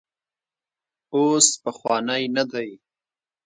اوس پخوانی نه دی.